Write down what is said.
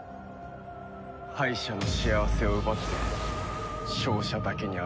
敗者の幸せを奪って勝者だけに与える。